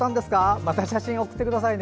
また写真送ってくださいね。